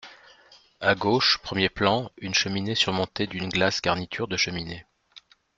À gauche premier plan, une cheminée surmontée d’une glace garniture de cheminée .